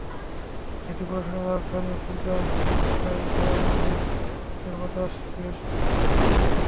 দেশটির প্রশাসনিক রাজধানী পুত্রজায়াসহ সন্নিহিত তিনটি রাজ্যের বাতাস বেশ দূষিত হয়ে পড়েছে।